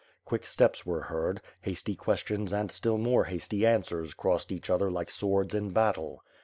Quick steps were heard; hasty questions and still more hasty answers crossed each other like swords in battle.